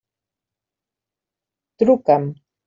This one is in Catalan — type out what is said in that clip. Truca'm.